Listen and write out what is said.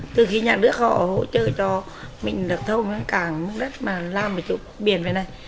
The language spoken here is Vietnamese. từ khi nhà nước họ hỗ trợ cho mình được thông đến cảng mức đất mà làm một chỗ biển vậy này